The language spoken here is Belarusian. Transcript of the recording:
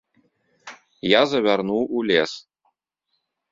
Я завярнуў у лес.